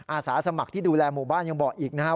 อาสาสมัครที่ดูแลหมู่บ้านยังบอกอีกนะครับ